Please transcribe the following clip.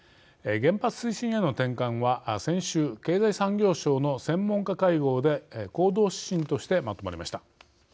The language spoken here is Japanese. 原発推進への転換は先週経済産業省の専門家会合で行動指針としてまとまりました。